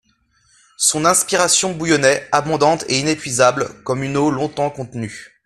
Son inspiration bouillonnait, abondante et inépuisable, comme une eau longtemps contenue.